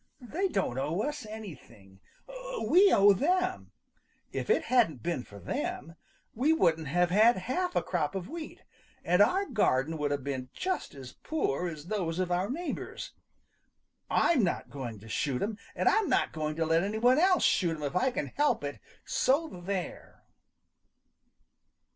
They don't owe us anything; we owe them. If it hadn't been for them, we wouldn't have had half a crop of wheat, and our garden would have been just as poor as those of our neighbors. I'm not going to shoot 'em, and I'm not going to let any one else shoot 'em if I can help it, so there!"